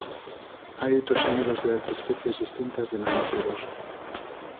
Hai oito xéneros de dez especies distintas de mamíferos.